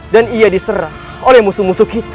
dan ia diserah oleh musuh musuh kita